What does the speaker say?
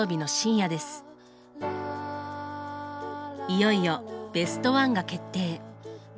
いよいよベスト１が決定。